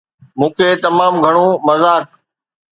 مون کي تمام گهڻو مذاق